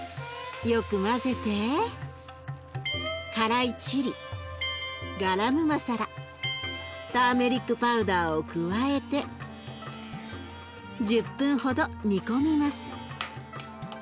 よく混ぜて辛いチリガラムマサラターメリックパウダーを加えて１０分ほど煮込みます。